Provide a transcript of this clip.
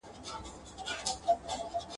ښځه سوه په خوشالي کورته روانه ..